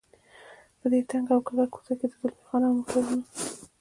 په دې تنګه او کږه کوڅه کې د زلمی خان او موټرونه.